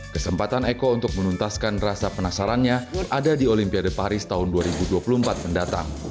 kesempatan eko untuk menuntaskan rasa penasarannya ada di olimpiade paris tahun dua ribu dua puluh empat mendatang